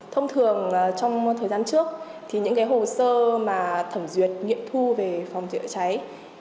thông thường trong thời gian trước những hồ sơ thẩm duyệt nghiệp thu về phòng chữa cháy